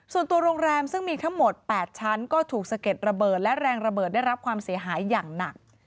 ส่วนตัวโรงแรมซึ่งมีทั้งหมด๘ชั้นก็ถูกสะเก็ดระเบิดและแรงระเบิดได้รับความเสียหายอย่างหนัก